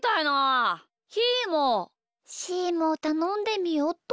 しーもたのんでみよっと。